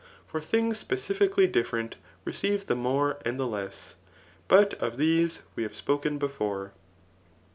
For things specifically d^went receive the more and the less : but erf these we have spoken b^re.